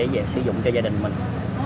để sử dụng cho gia đình mình